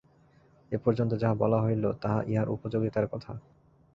এ-পর্যন্ত যাহা বলা হইল, তাহা ইহার উপযোগিতার কথা।